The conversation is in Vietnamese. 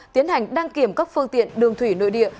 tiến hành đăng kiểm các phương tiện đường thủy nội địa